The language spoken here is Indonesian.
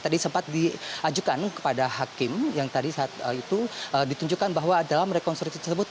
tadi sempat diajukan kepada hakim yang tadi saat itu ditunjukkan bahwa dalam rekonstruksi tersebut